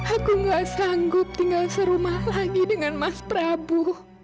aku gak sanggup tinggal serumah lagi dengan mas prabu